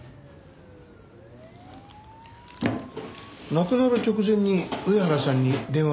亡くなる直前に上原さんに電話をしてますよね？